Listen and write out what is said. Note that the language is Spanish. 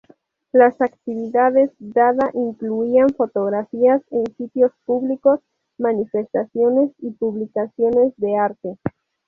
Las actividades Dada incluían fotografías en sitios públicos, manifestaciones y publicaciones de arte.